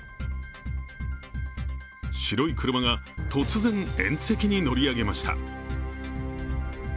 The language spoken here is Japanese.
白い車が突然、縁石に乗り上げました。